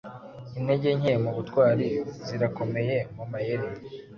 Intege nke mubutwari zirakomeye mumayeri.